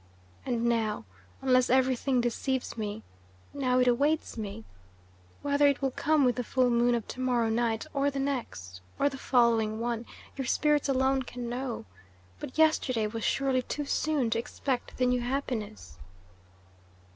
And now unless everything deceives me now it awaits me. Whether it will come with the full moon of to morrow night, or the next, or the following one, your spirits alone can know; but yesterday was surely too soon to expect the new happiness."